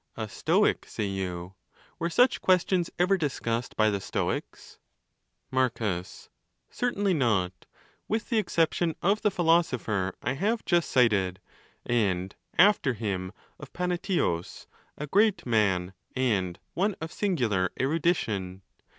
—A Stoic, say you? were such questions ever discussed by the Stoics? Marcus.—Certainly not, with the exception of the philo sopher I have just cited; and, after him, of Paneetius, a great man and one of singular erudition.